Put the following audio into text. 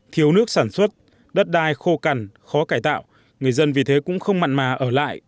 thiếu nước sản xuất đất đai khô cằn khó cải tạo người dân vì thế cũng không mặn mà ở lại